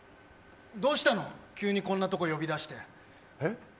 どうしたの急にこんなとこ呼び出してえっ？